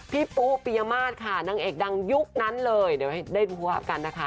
ปูปิยมาศค่ะนางเอกดังยุคนั้นเลยเดี๋ยวให้ได้กันนะคะ